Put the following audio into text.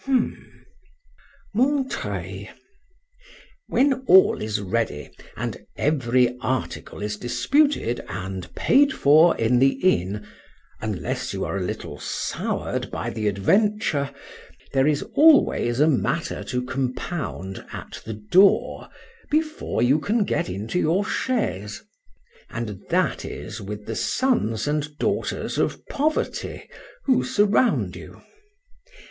MONTREUIL. WHEN all is ready, and every article is disputed and paid for in the inn, unless you are a little sour'd by the adventure, there is always a matter to compound at the door, before you can get into your chaise; and that is with the sons and daughters of poverty, who surround you.